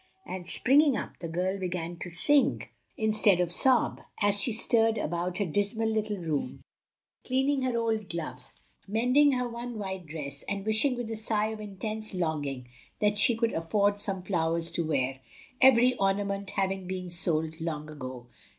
And springing up, the girl began to sing instead of sob, as she stirred about her dismal little room, cleaning her old gloves, mending her one white dress, and wishing with a sigh of intense longing that she could afford some flowers to wear, every ornament having been sold long ago.